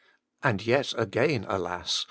And yet again, alas !